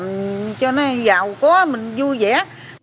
mình cho nó giàu quá mình vui vậy á